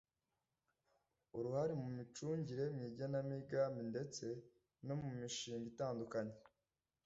uruhare mu micungire, mu igenamigambi ndetse no mu mishanga itandukanye